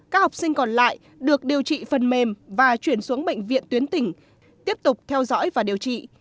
các học sinh còn lại được điều trị phần mềm và chuyển xuống bệnh viện tuyến tỉnh tiếp tục theo dõi và điều trị